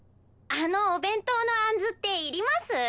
「あのお弁当のあんずっていります？」